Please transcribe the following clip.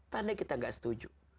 tanda kita nggak setuju